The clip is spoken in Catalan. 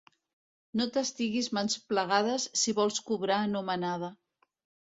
No t'estiguis mans plegades, si vols cobrar anomenada.